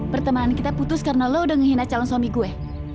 pertemahan kita putus karena lu udah ngehina calon suami gue